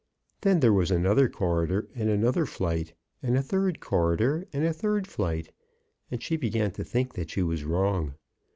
Then there was another corridor and another flight, and a third corridor and a third flight, and she began to think that she was wrong.